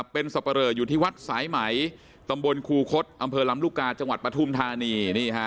เป็นสับปะเลออยู่ที่วัดสายไหมตำบลครูคดอำเภอลำลูกกาจังหวัดปฐุมธานี